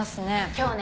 今日ね